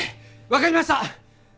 分かりました！